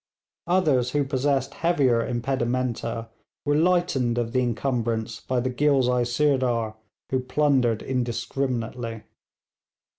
Others who possessed heavier impedimenta, were lightened of the encumbrance by the Ghilzai Sirdar, who plundered indiscriminately.